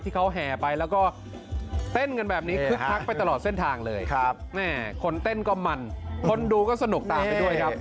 แห่ไปแล้วก็เต้นกันแบบนี้คึกคักไปตลอดเส้นทางเลยคนเต้นก็มันคนดูก็สนุกตามไปด้วยครับ